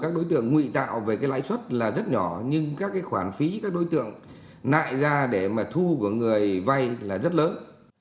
các đối tượng nguy tạo về cái lãi suất là rất nhỏ nhưng các cái khoản phí các đối tượng nại ra để mà thu của người vay là rất lớn